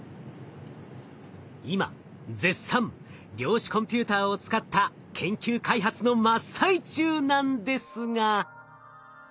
今絶賛量子コンピューターを使った研究開発の真っ最中なんですが。